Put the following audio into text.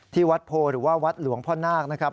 ที่วัดโพหรือว่าวัดหลวงพ่อนาคนะครับ